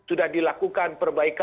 itu sudah dilakukan itu sudah dilakukan